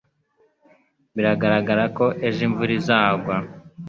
Biragaragara ko ejo imvura izagwa